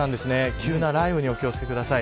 急な雷雨にお気を付けください。